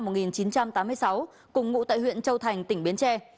phạm văn phước sinh năm một nghìn chín trăm tám mươi sáu cùng ngụ tại huyện châu thành tỉnh biến tre